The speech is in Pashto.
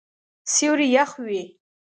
سیوری یخ وی